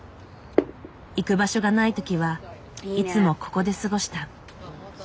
行く場所がない時はいつもここで過ごした。